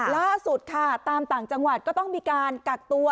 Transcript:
ล่าสุดค่ะตามต่างจังหวัดก็ต้องมีการกักตัว